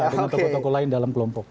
dengan tokoh tokoh lain dalam kelompok